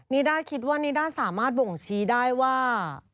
นิด้าคิดว่านิด้าสามารถบ่งชี้ได้ว่า